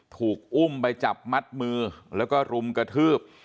ถูกอุ้มไปจับมัดมือแล้วก็รุมกระทืบ